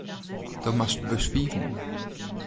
Do moatst bus fiif nimme.